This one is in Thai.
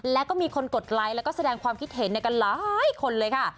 แล้วก็มีคนกดไลค์แล้วก็แสดงความคิดเห็นกันหลายคนเลยค่ะ